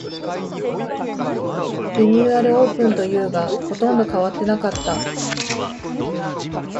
リニューアルオープンというが、ほとんど変わってなかった